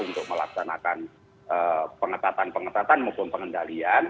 untuk melaksanakan pengetatan pengetatan maupun pengendalian